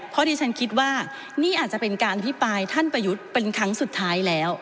เพราะดิฉันคิดว่านี่อาจจะเป็นการอภิปรายท่านประยุทธ์เป็นครั้งสุดท้ายแล้ว